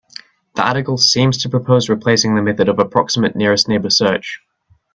The article seems to propose replacing the method of approximate nearest neighbor search.